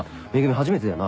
初めてだよな？